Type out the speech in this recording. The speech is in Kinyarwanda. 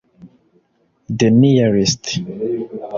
the nearest